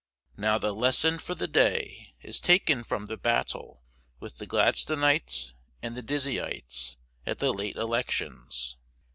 Now the Lesson for the Day is taken from the battle with the Gladstonites and the Dizzyites at the late Elections.